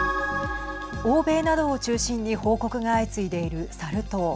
欧米などを中心に報告が相次いでいるサル痘。